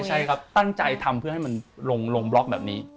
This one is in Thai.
ใช่ครับตั้งใจทำเพื่อให้มันลงบล็อกแบบนี้